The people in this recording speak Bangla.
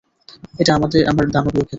এটা আমার দানবীয় ক্ষেত্র।